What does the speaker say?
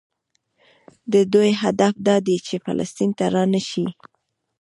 د دوی هدف دا دی چې فلسطین ته رانشي.